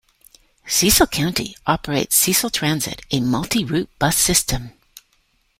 Cecil County operates Cecil Transit, a multi-route bus system.